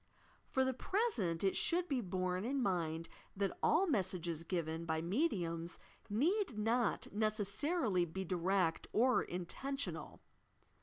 For the present it should be borne in mind that all messages given by mediums need not necessarily be direct or intentional.